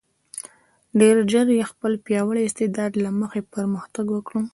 ډېر ژر یې د خپل پیاوړي استعداد له مخې پرمختګ وکړ.